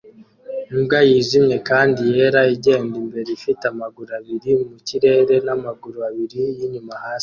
Imbwa yijimye kandi yera igenda imbere ifite amaguru abiri mu kirere n'amaguru abiri yinyuma hasi